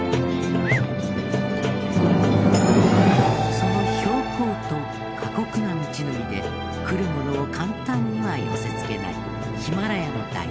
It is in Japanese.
その標高と過酷な道のりで来る者を簡単には寄せ付けないヒマラヤの大地。